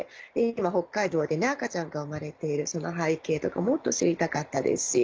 今北海道で赤ちゃんが生まれているその背景とかもっと知りたかったですし。